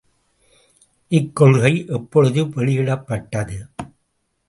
இக்கொள்கை எப்பொழுது வெளியிடப்பட்டது?